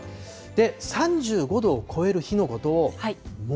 で、３５度を超える日のことを猛